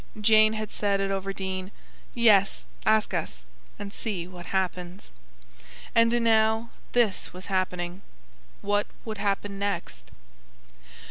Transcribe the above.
Jane had said at Overdene: "Yes, ask us, and see what happens." And now this was happening. What would happen next?